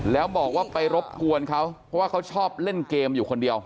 แล้วบอกว่าไปรบกวนเขาเพราะว่าเขาชอบเล่นเกมอยู่คนเดียว